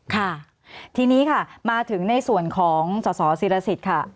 ค่ะทีนี้ค่ะมาถึงในส่วนของสสิรสิทธิ์ค่ะ